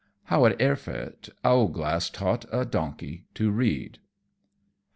_How, at Erfurt, Owlglass taught a Donkey to read.